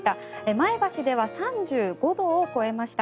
前橋では３５度を超えました。